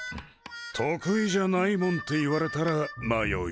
得意じゃないもんって言われたら迷うよな。